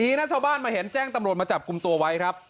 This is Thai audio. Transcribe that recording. นะชาวบ้านมาเห็นแจ้งตำรวจมาจับกลุ่มตัวไว้ครับ